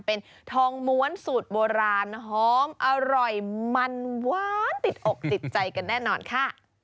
เป็นทองม้วนสูตรโบราณหอมอร่อยมันหวานติดอกติดใจกันแน่นอนค่ะ